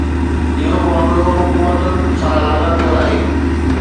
اهو معاملو حڪومتن سان لاڳاپيل آهي.